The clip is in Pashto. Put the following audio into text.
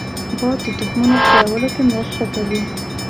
باد د تخمونو خپرولو کې مرسته کوي